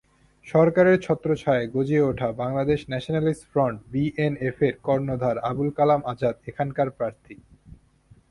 সরকারের ছত্রচ্ছায়ায় গজিয়ে ওঠা বাংলাদেশ ন্যাশনালিস্ট ফ্রন্ট—বিএনএফের কর্ণধার আবুল কালাম আজাদ এখানকার প্রার্থী।